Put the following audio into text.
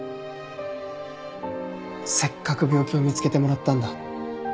せっかく病気を見つけてもらったんだ。